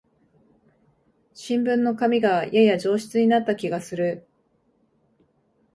新聞の紙がやや上質になった気がする